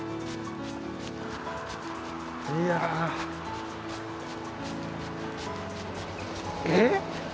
いや。えっ？